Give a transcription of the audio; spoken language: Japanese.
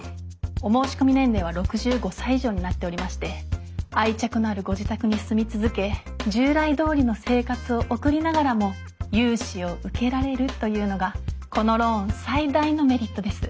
お申し込み年齢は６５歳以上になっておりまして愛着のあるご自宅に住み続け従来どおりの生活を送りながらも融資を受けられるというのがこのローン最大のメリットです。